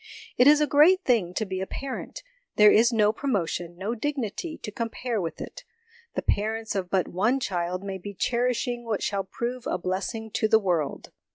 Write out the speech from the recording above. It is a great thing to be a parent : there is no promotion, no dignity, to compare with it. The parents of but one child may be cherishing what shall prove a blessing to the world.